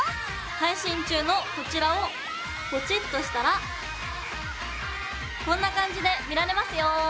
配信中のこちらをポチッとしたらこんな感じで見られますよ。